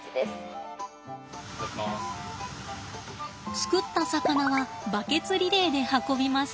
すくった魚はバケツリレーで運びます。